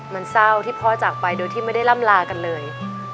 มันเศร้าที่พ่อจากไปโดยที่ไม่ได้ล่ำลากันเลย